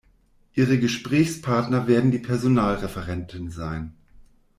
Ihre Gesprächspartner werden die Personalreferenten sein.